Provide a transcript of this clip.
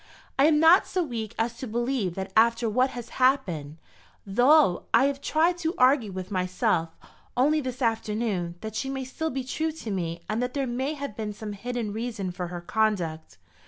"I am not so weak as to believe that after what has happened, though I have tried to argue with myself, only this afternoon, that she may still be true to me and that there may have been some hidden reason for her conduct.